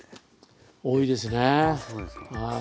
多いですねはい。